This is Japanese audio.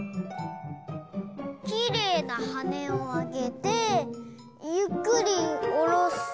きれいなはねをあげてゆっくりおろす。